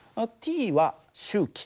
Ｔは周期